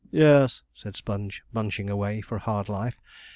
'Yes,' said Sponge, munching away for hard life.